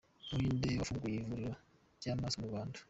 Umuhinde yafunguye ivuriro ry’amaso mu Rwanda